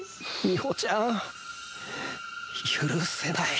みほちゃん許せない